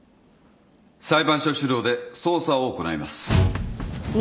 裁判所主導で捜査を行います。